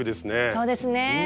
そうですね。